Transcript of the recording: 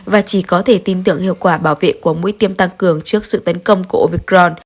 và chỉ có thể tin tưởng hiệu quả bảo vệ của mũi tiêm tăng cường trước sự tấn công của ovicron